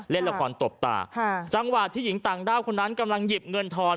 เล่นละครตบตาจังหวะที่หญิงต่างด้าวคนนั้นกำลังหยิบเงินทอน